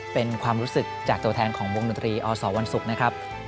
เป็นความรู้สึกจากตัวแทนของวงดนตรีอสวันศุกร์นะครับ